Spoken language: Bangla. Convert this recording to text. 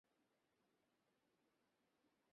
ওরে, অত করে আমাকে কী বোঝাচ্ছিস।